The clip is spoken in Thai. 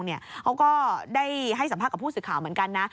เขาก็ได้ให้สัมภาษณ์กับผู้สื่อข่าวเหมือนกันนะ